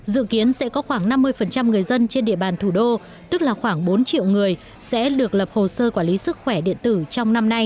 dự kiến sẽ có khoảng năm mươi người dân trên địa bàn thủ đô tức là khoảng bốn triệu người sẽ được lập hồ sơ quản lý sức khỏe điện tử trong năm nay